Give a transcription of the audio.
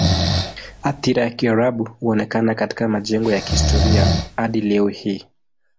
Athira ya Kiarabu huonekana katika majengo ya kihistoria hadi leo hii.